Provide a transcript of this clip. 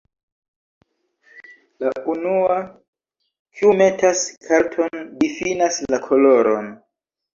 La unua, kiu metas karton difinas la koloron.